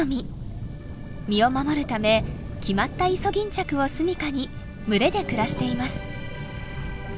身を守るため決まったイソギンチャクを住みかに群れで暮らしています。